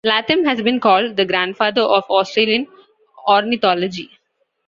Latham has been called the "grandfather" of Australian ornithology.